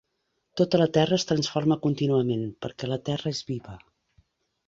Tot a la Terra es transforma contínuament, perquè la Terra és viva.